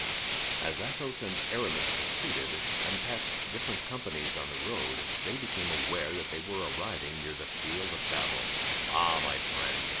As Athos and Aramis proceeded, and passed different companies on the road, they became aware that they were arriving near the field of battle. "Ah! my friend!"